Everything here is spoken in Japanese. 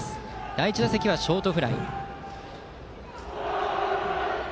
第１打席はショートフライ。